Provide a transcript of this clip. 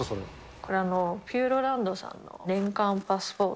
これ、ピューロランドさんの年間パスポート。